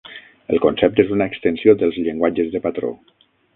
El concepte és una extensió dels llenguatges de patró.